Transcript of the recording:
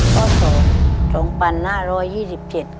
ข้อสองสองพันห้าร้อยยี่สิบเจ็ด